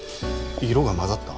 色が混ざった？